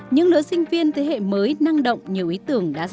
những lỡ sinh viên thế hệ mới năng động nhiều ý tưởng đã ra đời